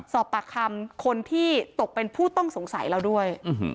สอบปากคำคนที่ตกเป็นผู้ต้องสงสัยแล้วด้วย